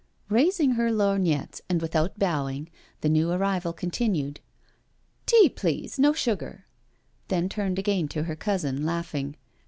Raising her lorgnettes and without bowing, the new arrival continued: "Tea, please — no sugar." Then turned again to her cousin, laughing.